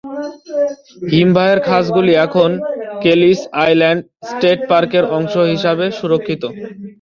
হিমবাহের খাঁজগুলি এখন কেলিস island state পার্কের অংশ হিসাবে সুরক্ষিত।